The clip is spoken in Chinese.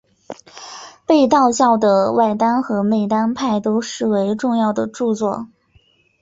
被道教的外丹和内丹派都视为重要的着作。